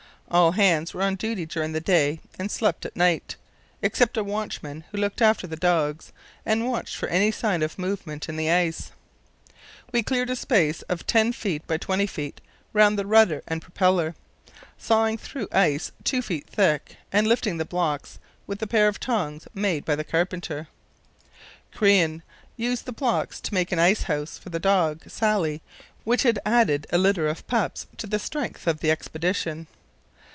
All hands were on duty during the day and slept at night, except a watchman who looked after the dogs and watched for any sign of movement in the ice. We cleared a space of 10 ft. by 20 ft. round the rudder and propeller, sawing through ice 2 ft. thick, and lifting the blocks with a pair of tongs made by the carpenter. Crean used the blocks to make an ice house for the dog Sally, which had added a little litter of pups to the strength of the expedition.